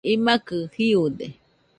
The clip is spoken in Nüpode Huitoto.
imakɨ jiude